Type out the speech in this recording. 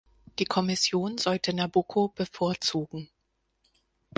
Die Kommission sollte Nabucco bevorzugen.